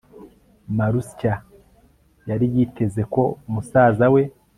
Marusya yari yiteze ko musaza we